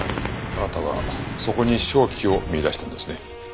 あなたはそこに商機を見出したんですね。